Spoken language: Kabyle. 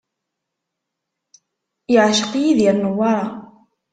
Yeɛceq Yidir Newwara.